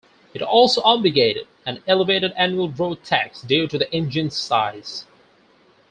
It also obligated an elevated annual road tax due to the engine's size.